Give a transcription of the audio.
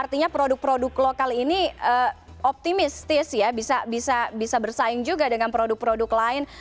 jadi produk produk lokal ini optimistis ya bisa bisa bisa bersaing juga dengan produk produk lain